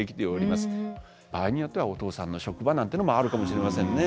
場合によってはお父さんの職場なんてのもあるかもしれませんね。